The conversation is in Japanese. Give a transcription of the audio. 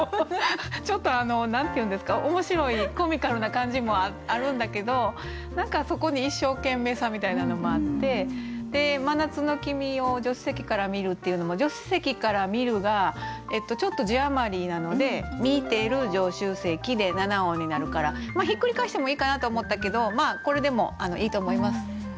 ちょっと何て言うんですか面白いコミカルな感じもあるんだけど何かそこに一生懸命さみたいなのもあって「真夏の君を助手席から見る」っていうのも「助手席から見る」がちょっと字余りなので「見てる助手席」で７音になるからひっくり返してもいいかなと思ったけどこれでもいいと思います。